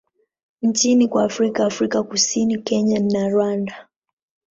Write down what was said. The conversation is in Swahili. nchini kwa Afrika Afrika Kusini, Kenya na Rwanda.